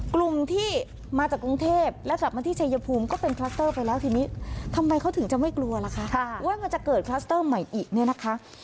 กลุ่มที่มาจากกรุงเทพแล้วกลับมาที่ชัยภูมิก็เป็นคลัสเตอร์ไปแล้วทีนี้ทำไมเขาถึงจะไม่กลัวล่ะคะว่ามันจะเกิดคลัสเตอร์ใหม่อีกเนี่ยนะคะ